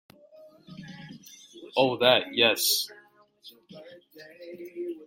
Oh, that, yes.